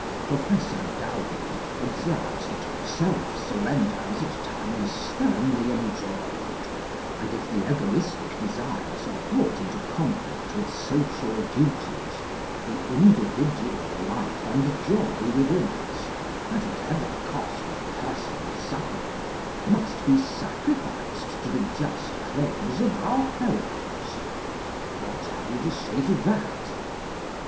Professor Dowden observes that 'self surrender is at times sternly enjoined, and if the egoistic desires are brought into conflict with social duties, the individual life and joy within us, at whatever cost of personal suffering, must be sacrificed to the just claims of our fellows.' What have you to say to that?"